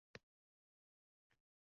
U Xalqaro yoshlar kunida ish boshlagan